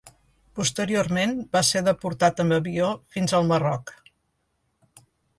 Posteriorment va ser deportat amb avió fins al Marroc.